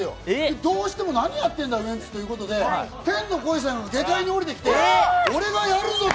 どうしても何やってんだってことで、天の声さんが下界におりてきて俺がやるぞと。